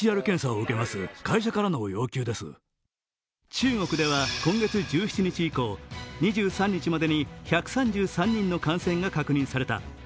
中国では、今月１７日以降２３日までに１３３人の感染が確認された。